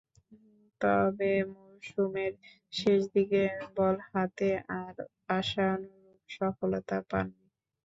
তবে, মৌসুমের শেষদিকে বল হাতে আর আশানুরূপ সফলতা পাননি।